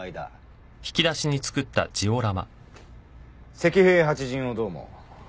石兵八陣をどう思う？